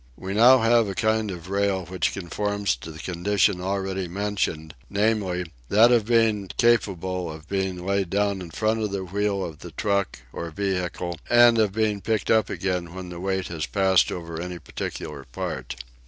We now have a kind of rail which conforms to the condition already mentioned, namely, that of being capable of being laid down in front of the wheel of the truck or vehicle, and of being picked up again when the weight has passed over any particular part.